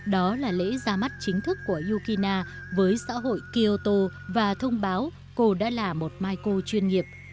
đó là lễ ra mắt chính thức của yukina với xã hội kioto và thông báo cô đã là một miko chuyên nghiệp